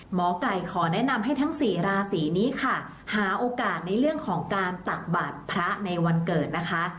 หมอไก่ขอแนะนำให้ทั้งสี่ราศีนี้ค่ะหาโอกาสในเรื่องของการตักบาทพระในวันเกิดนะคะ